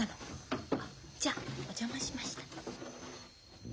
じゃあお邪魔しました。